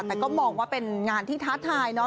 แต่ก็มองว่าเป็นงานที่ท้าทายเนาะ